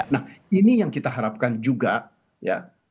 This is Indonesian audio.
nah ini yang kita harapkan juga ya